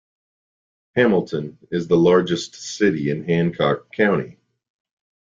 Hamilton is the largest city in Hancock County.